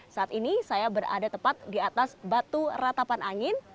saat ini saya berada tepat di atas batu ratapan angin